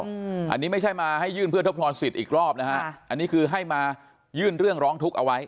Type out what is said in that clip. อันนี้ไม่ใช่มาให้ยื่นเพื่อทดพรสิทธิ์อีกรอบนะฮะอันนี้คือให้มายื่นเรื่องร้องทุกข์เอาไว้